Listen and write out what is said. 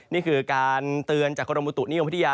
นี่คือการเตือนจากกรมบุตุนิยมวิทยา